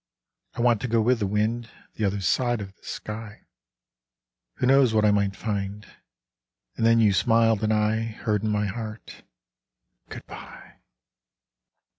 I want to go with the wind The other side of the sky : Who knows what I might find? And then you smiled and I Heard in my heart Goodbye.